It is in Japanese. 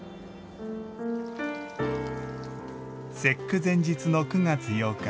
節句前日の９月８日。